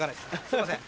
すいません。